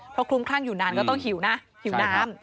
เพราะคุ้มครั่งอยู่นานก็ต้องหิวน้ำ